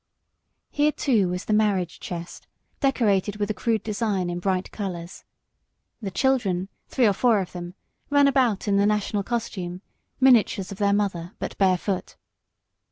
Here, too, was the marriage chest, decorated with a crude design in bright colours. The children, three or four of them, ran about in the national costume, miniatures of their mother, but barefoot.